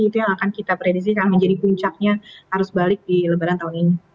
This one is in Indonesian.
itu yang akan kita prediksikan menjadi puncaknya arus balik di lebaran tahun ini